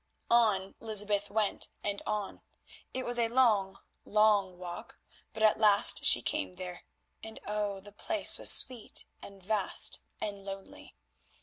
On Lysbeth went and on; it was a long, long walk, but at last she came there, and, oh! the place was sweet and vast and lonely.